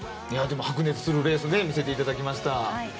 白熱するレースを見せていただきました。